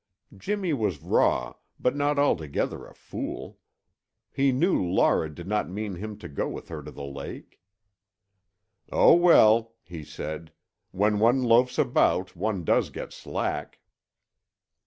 Jimmy was raw, but not altogether a fool. He knew Laura did not mean him to go with her to the lake. "Oh, well," he said. "When one loafs about, one does get slack."